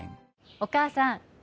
お兄さん。